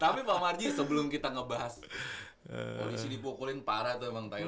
tapi pak marji sebelum kita ngebahas polisi dipukulin parah tuh emang tau